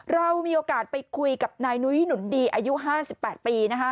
เรามีโอกาสไปคุยกับนายนุ้ยหนุนดีอายุ๕๘ปีนะคะ